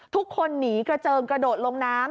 ทุกคนหนีกระเจิงกระโดดลงน้ำ